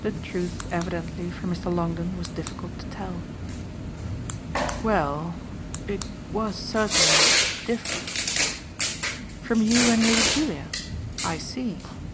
The truth evidently for Mr. Longdon was difficult to tell. "Well it was certainly different." "From you and Lady Julia? I see.